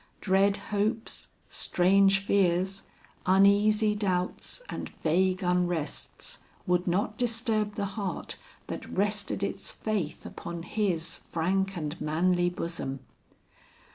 Dread hopes, strange fears, uneasy doubts and vague unrests, would not disturb the heart that rested its faith upon his frank and manly bosom.